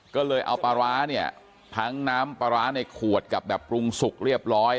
ก็เลยเอาปลาร้าเนี่ยทั้งน้ำปลาร้าในขวดกับแบบปรุงสุกเรียบร้อย